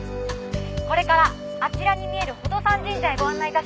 これからあちらに見える寳登山神社へご案内致します。